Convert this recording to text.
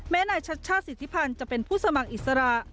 แม้ในชัดสิทธิพันธุ์จะเป็นผู้สมัครอิสระ